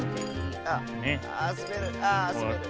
あっすべる。